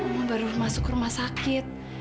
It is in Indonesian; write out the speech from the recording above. yang baru masuk rumah sakit